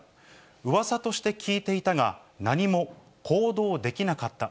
うわさとして聞いていたが、何も行動できなかった。